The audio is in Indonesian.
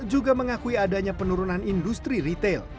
juga mengakui adanya penurunan industri retail